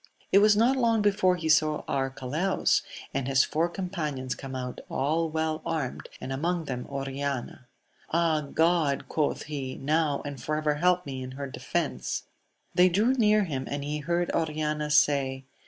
It was not long before he saw Arcalaus and his four companions come out, all well armed, and among them Oriana. Ah, God ! quoth he, now and for ever help me in her defence ! They drew near him, and he heard Oriana say.